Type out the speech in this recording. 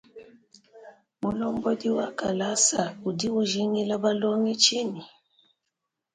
Mulombodi wa kalasa udi ujingila balongi tshinyi?